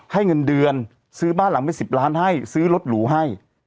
ให้เงินเดือนซื้อบ้านหลังเป็น๑๐ล้านให้ซื้อรถหรูให้